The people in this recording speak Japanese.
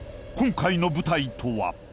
今回の舞台とは？